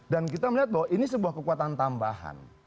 dan kita melihat bahwa ini sebuah kekuatan tambahan